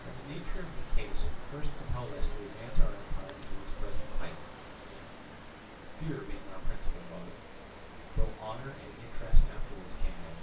And the nature of the case first compelled us to advance our empire to its present height; fear being our principal motive, though honour and interest afterwards came in.